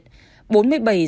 bốn di tích quốc gia đặc biệt